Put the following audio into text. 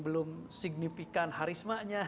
belum signifikan harismanya